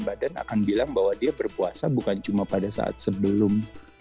badan akan bilang bahwa dia berpuasa bukan cuma pada saat sebelum